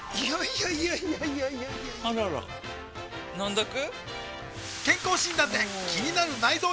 いやいやいやいやあらら飲んどく？